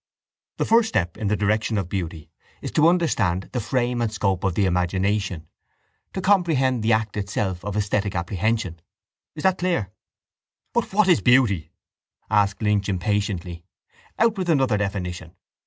The first step in the direction of beauty is to understand the frame and scope of the imagination, to comprehend the act itself of esthetic apprehension. Is that clear? —But what is beauty? asked Lynch impatiently. Out with another definition.